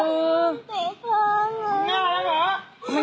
มึงด่ากูทำไม